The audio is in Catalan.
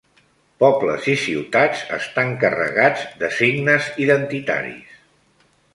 Pobles i ciutats estan carregats de signes identitaris.